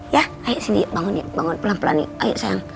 ya ayo sini bangun pelan pelan yuk